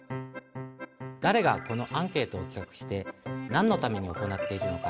だれがこのアンケートを企画してなんのために行っているのか。